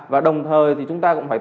và đồng thời thì chúng ta cũng phải